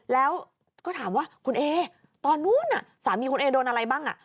แล้วก็ถามว่าคุณเอตอนนู้นสามีคุณเอโดนอะไรบ้าง